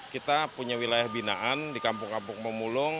kita punya wilayah binaan di kampung kampung pemulung